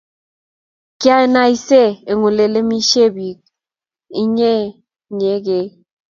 Kianisie eng leamisie bik inye inyeken?